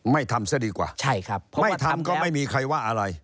ไม่ทำซะดีกว่าไม่ทำก็ไม่มีใครว่าอะไร